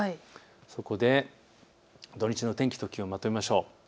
そこで土日の天気と気温をまとめましょう。